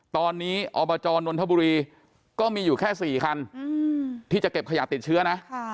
ตอนนี้อบจนนทบุรีก็มีอยู่แค่๔คันที่จะเก็บขยะติดเชื้อนะ